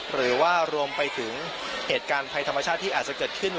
หรือว่ารวมไปถึงเหตุการณ์ภัยธรรมชาติที่อาจจะเกิดขึ้น